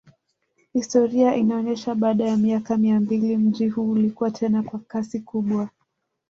Historia inaonesha baada ya miaka mia mbili mji huu ulikuwa tena kwa kasi kubwa